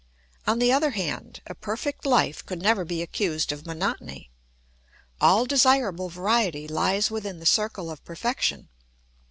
On the other hand, a perfect life could never be accused of monotony. All desirable variety lies within the circle of perfection.